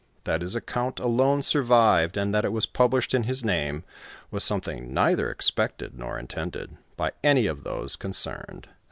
That his account alone survived, and that it was published in his name, was something neither expected nor intended by any of those concerned, as M.